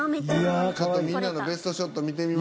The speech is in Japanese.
ちょっとみんなのベストショット見てみましょう。